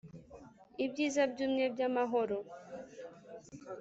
ibyiza byumye byamahoro